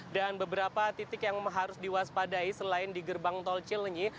dan beberapa titik yang harus diwaspadai selain di gerbang tol cilenyi